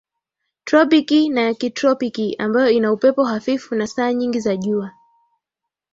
tropiki na ya kitropiki ambayo ina upepo hafifu na saa nyingi za jua